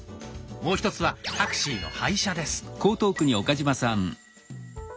もう１つはタクシーの配車です。